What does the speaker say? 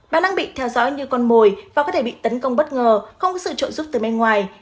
bạn đang bị theo dõi như con mồi và có thể bị tấn công bất ngờ không có sự trội giúp từ bên ngoài